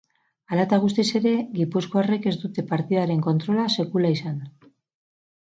Hala eta guztiz ere, gipuzkoarrek ez dute partidaren kontrola sekula izan.